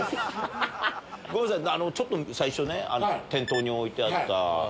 ごめんなさい最初店頭に置いてあった。